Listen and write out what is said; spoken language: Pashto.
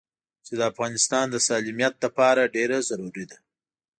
چې د افغانستان د سالميت لپاره ډېره ضروري ده.